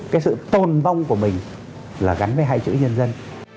cái sự tồn vong của mình là gắn với hai chữ nhân dân